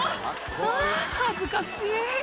「あぁ恥ずかしい」